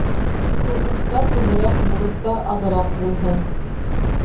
Хоҡуҡтар күберәк, бурыстар аҙыраҡ булһын.